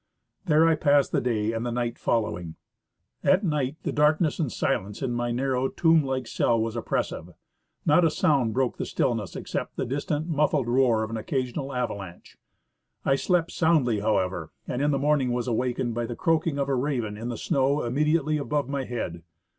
There I passed the day and the night following. At night the darkness and silence in my narrow tomb like cell was oppressive ; not a sound broke the stillness except the distant, muffled roar of an occasional avalanche. I slept soundly, however, and in the morning was awakened by the croaking of a raven on the snow immediately above my head.